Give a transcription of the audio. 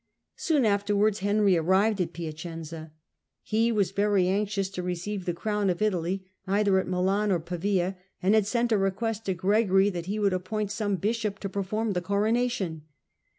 Soon afterwards Henry arrived at Piacenza. He was very anxious to receive the crown of Italy either at Milan or Pavia, and had sent a request to Gregory that he would appoint some bishop to perform the coronation.